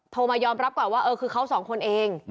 มายอมรับก่อนว่าเออคือเขาสองคนเอง